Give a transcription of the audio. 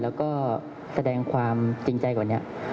แล้วก็แสดงความจริงใจกว่านี้